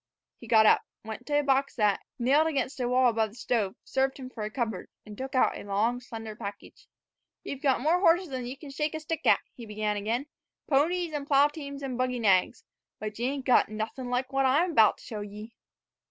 He got up, went to a box that, nailed against the wall above the stove, served him for a cupboard, and took out a long, slender package. "Ye've got more horses than ye can shake a stick at," he began again; "ponies an' plow teams an' buggy nags, but ye ain't got nuthin' like what I'm 'bout to show ye."